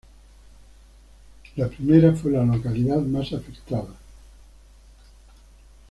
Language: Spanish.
La primera fue la localidad más afectada.